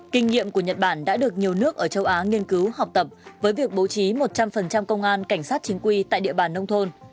kinh nghiệm của nhật bản đã được nhiều nước ở châu á nghiên cứu học tập với việc bố trí một trăm linh công an cảnh sát chính quy tại địa bàn nông thôn